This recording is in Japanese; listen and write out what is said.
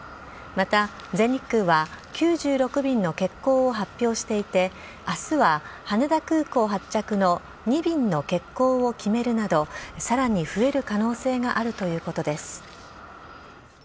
また、全日空は９６便の欠航を発表していて明日は羽田空港発着の２便の欠航を決めるなどさらに増える可能性があるということです。